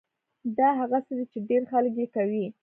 دا هغه څه دي چې ډېر خلک يې کوي.